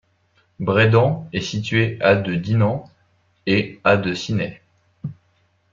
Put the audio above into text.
Braibant est situé à de Dinant et à de Ciney.